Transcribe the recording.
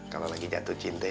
kalo lagi jatuh cinte